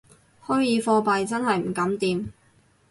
虛擬貨幣真係唔敢掂